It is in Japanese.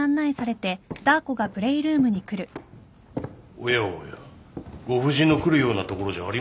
おやおやご婦人の来るような所じゃありませんぞ。